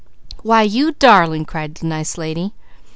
"Why you darling!" cried the nice lady.